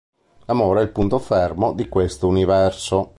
L'amore è il punto fermo di questo universo.